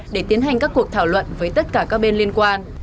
để tiến hành các cuộc thảo luận với tất cả các bên liên quan